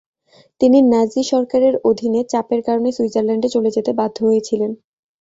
তিনি নাৎসি সরকারের অধীনে চাপের কারণে সুইজারল্যান্ডে চলে যেতে বাধ্য হয়েছিলেন।